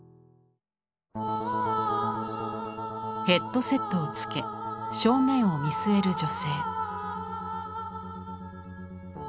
ヘッドセットを着け正面を見据える女性。